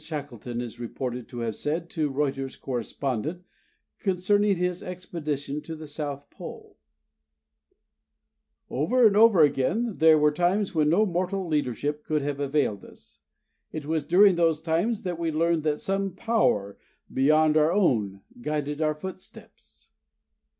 Shackleton is reported to have said to Reuter's correspondent concerning his expedition to the South Pole: "Over and over again there were times when no mortal leadership could have availed us. It was during those times that we learned that some Power beyond our own guided our footsteps."